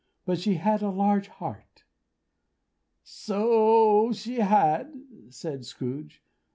"But she had a large heart!" "So she had," cried Scrooge.